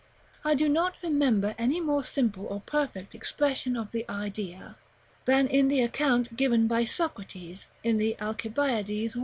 I do not remember any more simple or perfect expression of the idea, than in the account given by Socrates, in the "Alcibiades I.